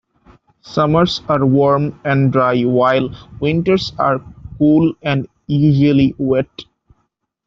Summers are warm and dry while winters are cool and usually wet.